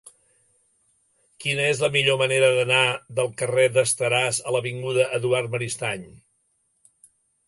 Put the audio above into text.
Quina és la millor manera d'anar del carrer d'Esteràs a l'avinguda d'Eduard Maristany?